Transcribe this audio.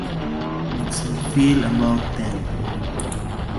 Makes me feel about ten.